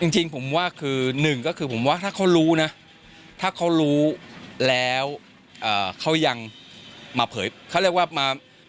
จริงผมว่าคือหนึ่งก็คือผมว่าถ้าเขารู้นะถ้าเขารู้แล้วเขายังมาเผยเขาเรียกว่ามา